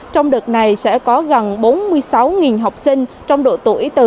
trong đợt này sẽ có gần bốn mươi sáu học sinh trong độ tuổi từ một mươi năm đến một mươi chín tuổi